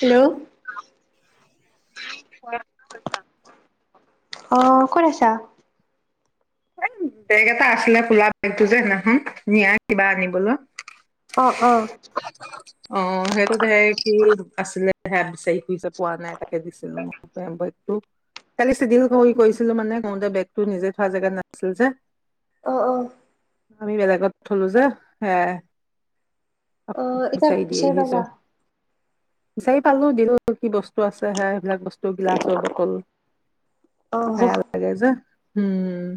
Hello আচছা অঁ ক'ত আছা এই বেগ এটা আছিলে ফলা বেগটো যে সদিনাখন নিয়া কিবা আনিবলৈ অ অ [unintelligible] অ সেইটোত সে কি আচিলে [unintelligible] [unintelligible] পোৱা নাই আতে দিছিলো মই [unintelligible] ত [unintelligible] কৰিছিলো মানে ম বেগটো নিজে থোৱা জেগাত না- ছিল যে অ অহ আমি বেলেগত থলো যে হে অ এটা বিচাৰি পালা বিচাৰি পালো দিলো কি বস্তু আছে হে সেইবিলাক বস্তু গিলাচৰ বটল অ খাই লাগে যে উম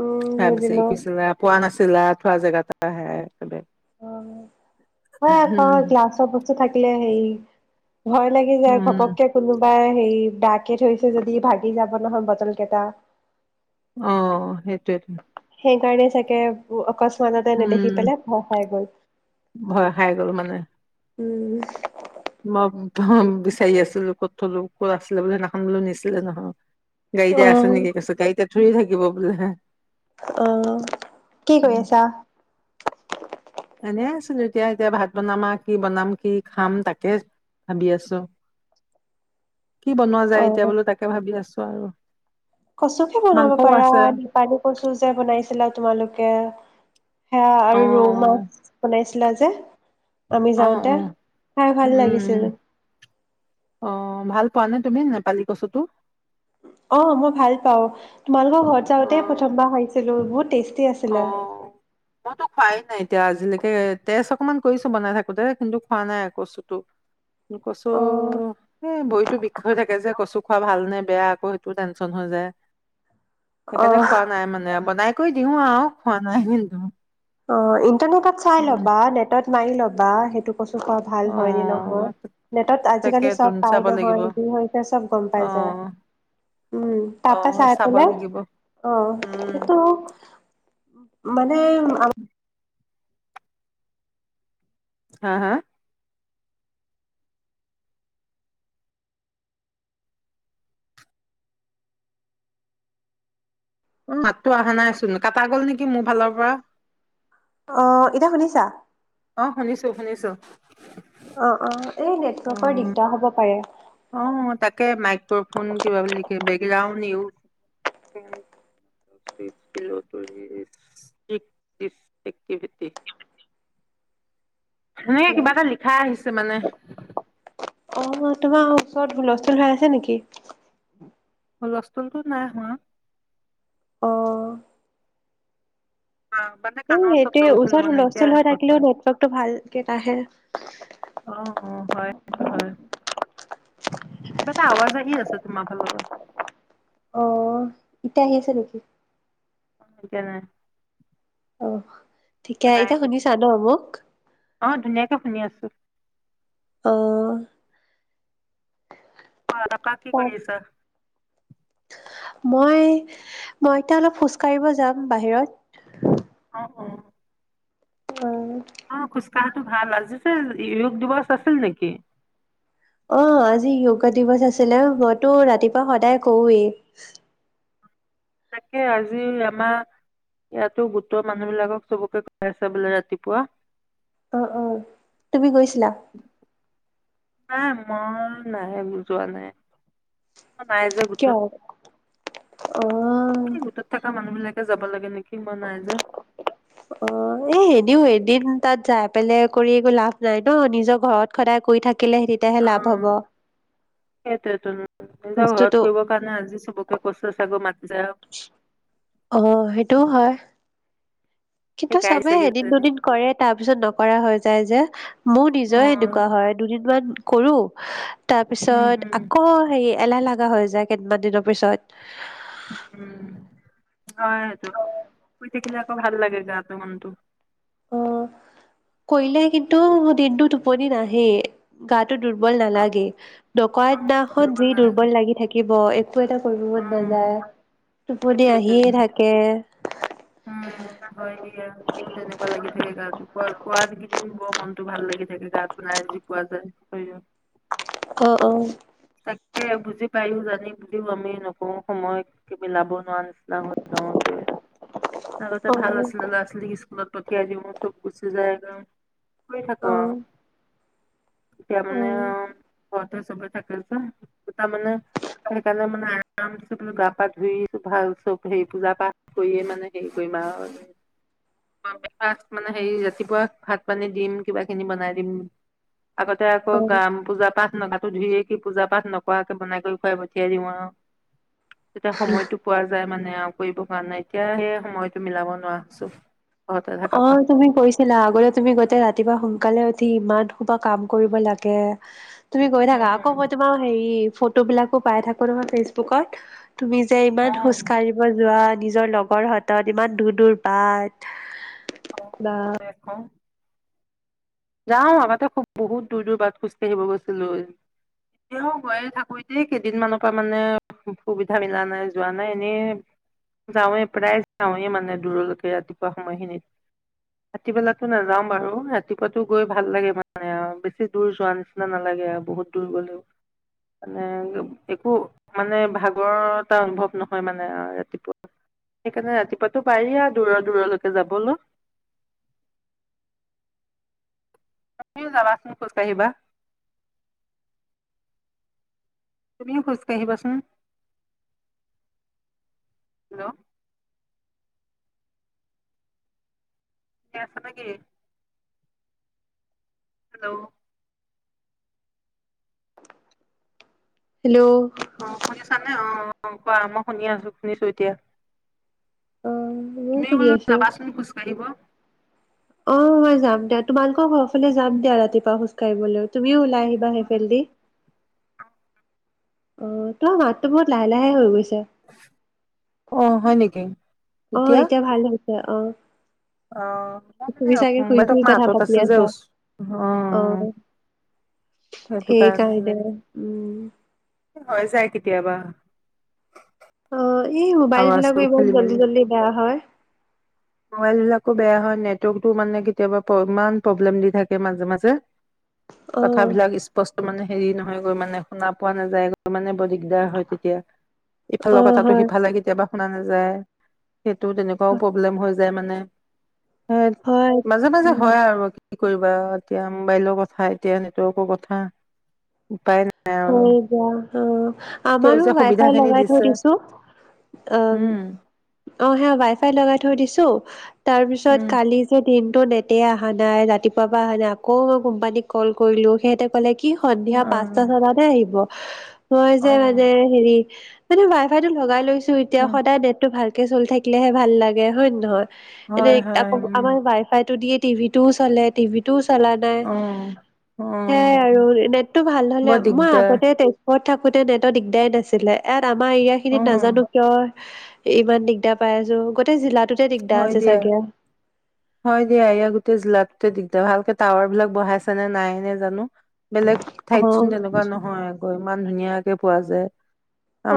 উম হ বুজিলো বিচাৰি ফুইছিলা পোৱা নাছিলা ঠোৱা জেগাটা হেয়াই পৰিলে অ হয় তাৰ গ্লাছৰ বস্ত থাকে লে হেৰি ভয় লাগি যায় উম ঘপককে কোনোবাই সেই বোকে থৈছে যদি ভাগি যাব নহয় বটল কেইটা অ সেইটোৱেইতো সেইকাৰণে চাগে ব অকস মাতে নেদেখি উম, পেলাই ভয় খাই গ'ল ভয় খাই গ'ল মানে উম মই বিচাৰি আছিলো ক'ত থলো ক'ত আছিলে বোলে সেনাখাম বোলে নিছিলে নহয় অ গাইতে আছে নেকি কৈছে গাইতে চুই থাকিব বোলে হে অ কি কৰি আছা? এনে আছিল এতিয়া এতিয়া ভাত বনামা, কি বনাম কি খাম তাকে ভাবি আছো। কি বনোৱা যায় এতিয়া বোলো তাকে ভাবি আছো অ আৰু কচু খে বনাব মাংসও পাৰা আছে নিপালী কচু যে বনাইছিলা তোমালোকে হে অ', আৰু ৰৌ মাছ বনাইছো উঠিলা যে আমি অ', অ', যাওঁতে অ', খাই উম, ভাল লাগিছিল উম, অ ভাল পোৱা নে তুমি নেপালী কচুটো? অ মই ভাল পাও তোমালোকৰ ঘৰত যাওঁতে অ'। প্ৰথমবাৰ খাইিছিলো বহুত টেষ্ট কতি আছিলল [unintelligible] অ', মইতো খোৱাই নাই এতিয়া আজিলৈকে তেজ অকনমান কৰিছো। বনাই থাকো দে কিন্তু খোৱা নাই কচুটো কচু অ এই ভৰিতটো বিষ হৈ থাকে যে কচু খোৱা ভালনেে বেয়া আকৌ সেইটো টেনশচন হৈ যায়। অ সেইকাৰণে খোৱা নাই মানে বনাই [unintelligible] আহ খোৱা নাই কিন্তু অ তেনোকাত চাই উম, ল'বা নেটত মাৰি ল'বা সেইটো কচু খোৱা ভাল হয় নে নহয়, অ', নেটত তাকে আজিকালি চব তুন পাই চাব নহয় লাগিব কি হৈছে চব গম পাই যায় অ', উম তাৰাপা অ', চাই চাব পলে লাগিব আহ উম, সেইটো মানে হা-হা মাতটো অহা নাইচোন কাটা গ'ল নেকি মোৰ ফালৰ পৰা আহ এতিয়া শুনিছা? অ শুনিছো-শুনিছো। অ-অ এই নেটৱৰ্কৰ দিগদাৰ হব পাৰে অ বেকগ্ৰণ্ড নি সেনেকে হেল্ল' কিবা এটা লিাই আহিছে। [unintelligible] মানে অ তোমাৰ ওচৰত হুলস্থুল হৈৰা আছে নেকি? হলস্থলটো নাই হোৱা। অ মানে এই কাণৰ ওচৰত লৈ সেইটোৱে গৈছিলো, মানে এতিয়া হুলস্থুল হৈ থাকিলেও নেটৱৰ্কটো ভালকে নাহে। অ-অ হয় সেইটো হয় কিবা এটা আৱাজ আহি আছে। তোমা ফাল বা [unintelligible] আহ এতিয়া আহিছে নেকি? এতিয়া নাই আহ ঠিকে নাই এতিয়া আহি। শুনিছা ন মোক? অ ধুনীয়াকে শুনি আছো। আহ অ তাপাকি কৰিছা। মই-মই এতিয়া অলপ খোজকাঢ়িব যাম বাহিৰত অ অ অ খুচ কাহটো ভাল আজি যে যয়োগ দিৱস আছিল নেকি? অ আজি য়োগা দিৱস আছিলে মইতো ৰাতিপুৱা সদায় কওঁৱেই তাকে আজি আমাৰ ইয়াতো গোটৰ মানুহ বিলাকক চবকে খাই আছা বোলে। ৰাতিপুৱা অ-অ তুমি গৈছিলা? নাই মই নাহে বুজোৱা নাই। নাই যে কিয়? গোটত অ'। এই গোটত থকা মানুহ বিলাক যাব লাগে নেকি মই নাই যে অ এনেও এদিন তাত যাই পেলাই কৰি একো লাভ নাই ন নিজৰ ঘৰত সদায় কৰি থাকি থাকিলেে তেতিয়াহে লাভ হ'ব সেইটোৱেতোন তুমি যা বস্তুটো ঘৰত কৰিব কাৰণে আজি চবকে কৈচ চাগৈ মা অ সেইটোও হয় কিন্তু শিকাই দিছে চবে এদিন কিজানি দুদিন কৰে তাৰ পিছত নকৰা হয় যাই যে মোৰ অ নিজৰে এনেকোৱা হয় দুদিনমান কৰো উম তাৰপিছত হম আকৌ হেৰি এলাহে লগা হৈ যায় কেইদমান দিনৰ পিছত উম হয় সেইটো শুই থাকিলে আকৌ ভাল লাগে গাটো মনটো কৈলে কিন তো মোৰ দিনটো টোপনি নাই এই গা টো দুৰ্বল অ নালাগে নকৰা দিনাখন যি দুৰ্বল লাগি থাকিব ব এ উ টোপনি সেইটোৱে তোন আহিয়ে থাকে উম হয় দিয়া মোৰ তেনেকোৱা কিবা লাগি থাকে গাতো পুৱা এইকেইদিন বৰ মনটো ভাল লাগি থাকে গাপ তো নাই জুই কোৱা যে শৰীৰত অহ অ তাকে বুজি পাইয়ো জানি বুজিও আমি নকৱো সময়ত কি মিলাব নোৱাৰা নিচিনা হৈ যাও যে আগতে অ ভাল আছিলে ল'ৰা ছোৱালীক স্কু লত পঠিয়াই দিও চব গুচি যায়গৈ শুই থাকো অ আও এতিয়া মানে ঘৰতে চবে থাকে দুটা মানে সেইকাৰণে মানে আ নাম চ গা পা ধুই ভাল চব হেৰি পূজা পাঠ কৰিয়ে মানে হেৰি কৰিম আৰু মানে হে ৰাতিপুৱা ভাত পানী দিম কিবা কিনি বনাই দিম আগতে আকৌ অ গাম পূজা পাঠ না গাটো ধুই আহি পূজা পাঠ নকৰাকে বনাই কৰি খুৱাই পঠিয়াই দিওঁ আও তেতিয়া সময়টো পোৱা যায় মানে আও কৰিব কাৰণে এতিয়া সেই সময়তো মিলাব নোৱাৰা হৈছো ঘৰতে অ থাকা পা তুমি কৈছিলা আগতে তুমি গোটে ৰাতিপুৱা সোনকালে উ ঠি ইমান সোপা কাম কৰিব লাগে তুমি গৈ থাকা উম আকৌ মই তোমাৰ হেৰি ফটোবলাকো পাই থাকো নহয় ফেচবুকত তুমি যে ইমান অ খোজ কঢ়িব যোৱা নিজৰ লগৰ হাতত ইমান দূৰ দূৰ বাট কা হয় আক যাও আগতে খুব বহুত দূৰ দূৰ বাট খোজকাঢ়িব গৈছিলো এতিয়াও গৈে থাকোতে কেইদিনমানানৰ পৰা মানে সুবিধা মিলা নাই যোৱা নাই এনে যাওঁৱেই প্ৰায় যাওঁৱেই মানে দূৰলৈকে ৰাতিপুৱা সময়খিনিত ৰাতি পেলাো নাযাও বাৰু ৰাতিপুৱা ৰাতিপুৱা গৈ ভাল লাগে মানে আৰু বেছি দূৰ যোৱা নিচিনা নালাগে আৰু বহুত দূৰ গলেও মানে একো মানে ভাগৰ এটা অনুভৱ নহয় মানে ৰাতিপুৱা সেইকাৰণে ৰাতিপুৱটো পাৰি আৰু দূৰৰ দূৰলৈকে যাবলৈ তুমিও যাবাচোন খোজকাঢ়িবা তুমিও খোজ কাঢ়িবাচোন হেল্ল' ন আছ নাগ হেল্ল' হেল্ল' অ শুনি চানে অ অ কোৱা মই শুনি আছো শুনিছো এতিয়া ময় তুমিও সুধ বোলো আছো যাবাচোন খোজ কাঢ়িব অ মই যাম দাত তোমালোকৰ ঘৰ ফালে যাম দিয়া ৰাতিপুৱা খোজকাাঢ়িবলৈ তুমিও ল আহিবা সেই ফেলে দি অ তই মাতটো বহুত লাহে লাহে হৈ গৈছে অ হয় নেকি অ এতিয়া ভাল য়া অ অ মই মানে চুি চাগে শুই মোবাইলটো শুই অকমান কথা আঁতৰত পাতি আছিল যে আছা ওচ অ অ আহ সেইটো সেইকাৰণে উম হয় যায় কেতিয়াবা অ এই মোবাইল বিলাকো আৱাজটো ইবত খেলি জল্দি মেলি জল্দি বেয়া হয় মোবাইল বিলাকো বেয়া হয় নেটৱৰ্কটো মানে কেতিয়াবা ইমান প্ৰব্লেম দি থাকে মাজে মাজে অ কথাবিলাক স্পষ্ট মানে হেৰি নহয় গৈ মানে শুনা পোৱা নাযায়ৈ মানে বৰ দিগদাৰ হয় তেতিয়া অ ইফালৰ কথাটো হয় সিফালে কেতিয়াবা শুনা নাযায় সেইটো তেনেকুৱাও প্ৰব্লেম হৈ যে মানে স হয় মাজে মাজে উম হয় আৰু কি কৰিবা এতিয়া মোবাইলৰ কথা এতিয়া নেটৱৰ্কৰ কথা উপায় নাই আৰু হয় দা অ আমাৰো সেউজীয়া ৱাই সুবিধা ফাই খিনি লগাই থৈ দিছে দিছো অ উম অ সে ৱাই ফাই লগাই থৈ দিছো ত তাৰপিছত উম কালি যে দিন নেটে অহা নাই ৰাতিপুৱ পৰা অহা নাই আকৌ মই কোম্পানীক কল কৰিলো সিহঁতে ক'লে কি সন্ধ্যা অ পাঁচ আহিব মই অ যে মানে হেৰি এ ৱাই ফাই লগাই লৈছো এতিয়া উম সদায় দেটটো ভাল চিল থাকিলেহে ভাল লাগে হয় নে নহয় হয় এনেই হয় আকৌ আমাৰ ৱাই ফাইতটো দিয়ে টিভি ও চলে টিভিতো চলা নাই উম অ', সেইয়াই আৰু অ', নেটটো ভাল বৰ মই দিগদাৰ আগতে ঘৰত থাকোতে নেটৰ দিগদাৰ নাছিলে এ আমাৰ এৰিয়া খিনিত অ', নাজানো কিয় ইমান দিগদাৰ পাই আছো গোটেই জিলাত হয় দিয়া, হয় দিয়া ইয়া গোটেই জিলাটোটে দি তে ভালকে টাৱাৰ বিলাক বঢ়াইছে নে নাই নে জানো বেলেগ অ ঠাইত চোন তেনেকুৱা নহয় আৰু ইমান ধুনীয়াকে পোৱা যায়।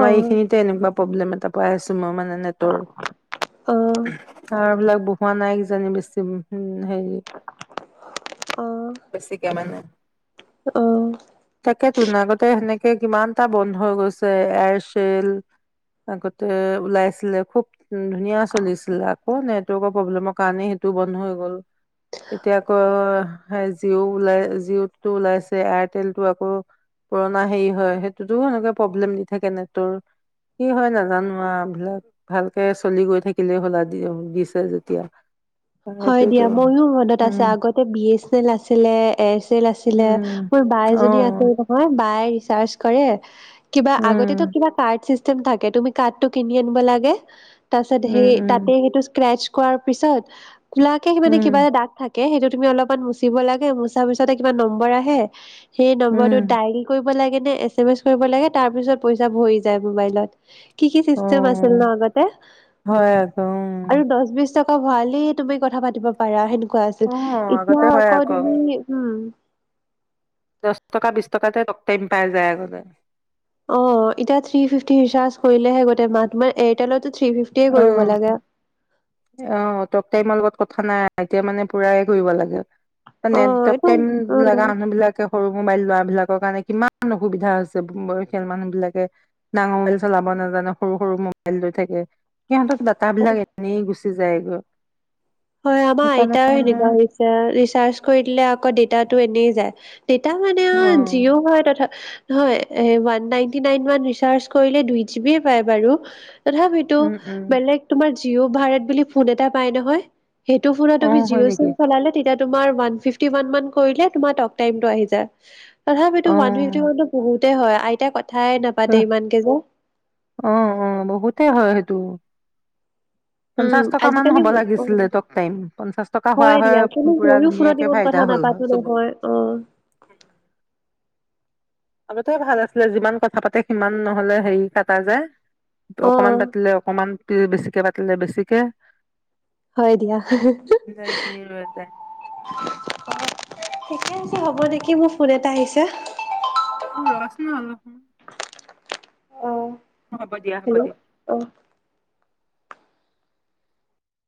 অ এইখিনিতে এনেকুৱা প্ৰব্লেম এটা পাই আছোঁ মই মানে নেটৰ অ তাৱাৰ বিলাক বহোৱা নাই কিজানি বেছিম হেৰি, বেছিকে মানে, অ অ তাকে আগতে সেনেকে কিমানটা বন্ধ হৈ গৈছে এয়াৰচেল আগতে ওলাইছিলে খুব ধুনীয়া চলিছিলে আকৌ নেটৱৰ্কৰ প্ৰব্লেমৰ কাৰণে সেইটো বন্ধ হৈ গ'ল এতিয়া আকৌ জিঅ' ওলাই জিঅ'টো ওলাইছে এয়াৰটেল টো আকৌ পুৰণা হেৰি হয় সেইটোতো সেনেকে প্ৰব্লেম দি থাকে নেটৱৰ্ কি হয় নাজানোবিলাক ভালকে চলি গৈ থাক কিলে হ'ল দি দিছে যেতিয়া হয় দিয়া সেইটোৱেতো মইো মনত আছে উম আগতে বি এ এল আছিলে এয়াৰচেল আছিলে উম মোৰ অ বাইজনী আছিল নহয় বাই চাৰজ কৰে কিবা আগতেতো উম কিবা কাৰ্ড চিষ্টেম থাকে তুমি কাঠটো কিনি আনিব লাগে তাৰপাছত সে উম উম তাতে সেইটো স্ক্ৰেচ কোৱাৰ পিছত কুলাকে মানে উম কিবা এটা দাঁগ থাকে সেইটো তুমি অলপমান মচিব লাগে মচাৰ পিছতে কিবা নম্বৰ আহে সেই উম নম্বৰটোত ডাইল কৰি এ এ এ কৰিব লাগ তাৰ পিছত পইচা ভ যায় মবাইলত কি কি অ চিষ্টেম আছিল ন আগতে হয় আকৌ আৰু দছ বিছ টকা ভআলিত তুমি কথা পাতি পাৰা সেনেক কোৱা আছিল উম অ এতিয়া আগতে হয় আক আকৌ তুমি উম ছ টকা বিছ টকাতে টক দকপেণ্ট পাই যায় আগতে অ এতিয়া থ্ৰী ফিফটি ৰিচাৰ্জ কৰিলেহে গোতে মাহ তমাৰ এয়াৰটেলত থ্ৰী ফিফটি অ কৰিব লাগে অ টক টাইমৰ লগত কথা নাই এতিয়া মানে পুৰাএ কৰিব লাগে অ নেট টক এইটো টাইম লগা উম মানুহ বিলাকে সৰু মোবাইল লোৱা বিলাকৰ কাৰণে কিমান অসুবিধা হৈছে বয়সীয়াল মানুহ বিলাকে ডাঙৰ মআইল চলাব নাজানে সৰু সৰু মোবাইল লৈ থাকে সিহঁতৰ দাটাবিলাক এনেই গুচি- যায়গৈ হয় আমাৰ সেইকাৰণে আইতা মানে সেনেকোৱা হৈছে ৰিচাৰ্চ কৰি দিলে আকৌ ডেতাটো এনেই যায় ডেটা মানে অ আ জিঅ' হয় তথা হয় উৱান নাইনটি নাইনৰ ৰিচাৰ্জ কৰিলে দুই জিবিয়ে পায় বাৰু তথাপিতো উম উম বেলেগ তোমাৰ জিঅ' ভাৰত বুলি ফোন এটা পাই নহয় সেইটো ফোনত অ তুমি হয় জিঅ' চিম নেকি চলালে তেতিয়া তোমাৰ ওৱান ফিফটি ওৱান মান কৰিলে তোমাৰ টক টাইম টো আহি যায়। তথাপিতো মানুহ [unintelligible] বহুত হয় আইতাই কত উ অ অ বহুতে হয় সেইটো উম, পঞ্চাশ টকা মান আজিকালি হব অ' লাগিছিলে টক টাইম পঞ্চাশ টকা হোৱা হয় দিয়া কিন্তু পুৰা ময়ো ফোনত ধুনীয়াকে ইমান ফাইদা কথা হল হয় নাপাতো চব- নহয় অ', আগতে ভাল আছিলে যিমান কথা পাতে সিমান নহলে হেৰি কাটা যায় অকমান অ'। পাতিলে অকমান বেছিকে পাতিলে বেছিকে হয় দিয়া এইখিনি ৰৈ যায় ঠিকে আছে হ'ব দেকি মোৰ ফোন এটা আহিছে এতিয়া অ ৰ চোন অলপ অ হ'ব দিয়া হ'ব হেল্ল' দিয়া অ